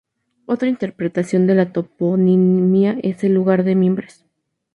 Otra interpretación de la toponimia es "lugar de mimbres".